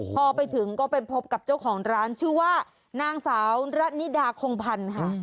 พอไปถึงก็ไปพบกับเจ้าของร้านชื่อว่านางสาวระนิดาคงพันธ์ค่ะ